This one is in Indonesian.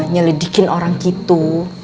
nyeledikin orang gitu